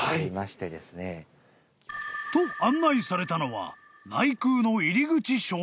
［と案内されたのは内宮の入り口正面］